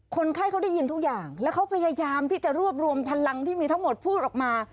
คนไข้เขาได้ยินทุกอย่างแล้วเขาพยายามที่จะรวบรวมพลังที่มีทั้งหมดพูดออกมา